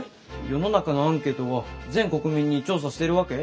世の中のアンケートは全国民に調査してるわけ？